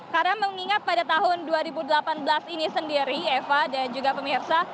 karena mengingat pada tahun dua ribu delapan belas ini sendiri eva dan juga pemirsa